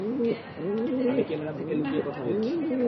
আমি ক্যামেরা থেকে লুকিয়ে কথা বলছি।